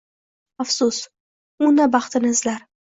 Afsus! U na baxtini izlar